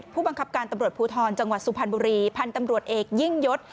ผู้บังคับการตำรวจภูทรจังหวัดสุพรรณบุรีพันธ์ตำรวจเอกยิ่งยศ